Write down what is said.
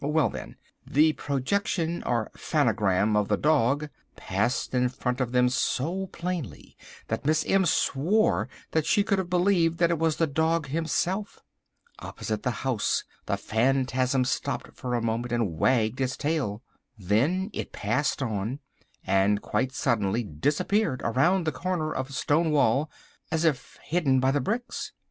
Well, then, the projection, or phanogram, of the dog passed in front of them so plainly that Miss M swore that she could have believed that it was the dog himself. Opposite the house the phantasm stopped for a moment and wagged its tail. Then it passed on, and quite suddenly disappeared around the corner of a stone wall, as if hidden by the bricks.